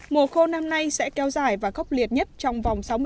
mùa khô năm nay sẽ kéo dài và khốc liệt nhất trong vòng sáng